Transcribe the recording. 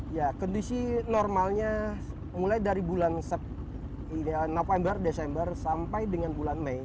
ya kondisi normalnya mulai dari bulan november desember sampai dengan bulan mei